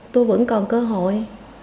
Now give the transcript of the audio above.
tôi vẫn còn cơ hội